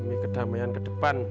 demi kedamaian ke depan